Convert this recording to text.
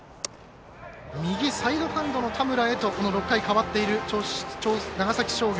右サイドハンドの田村へとこの６回、代わっている長崎商業。